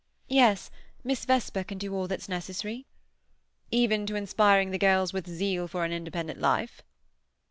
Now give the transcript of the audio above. "Yes. Miss Vesper can do all that's necessary." "Even to inspiring the girls with zeal for an independent life?"